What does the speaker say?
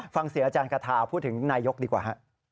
เสียอาจารย์กระทาพูดถึงนายกดีกว่าฮะ